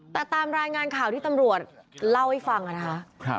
แต่ตามรายงานข่าวที่ตำรวจเล่าให้ฟังนะคะ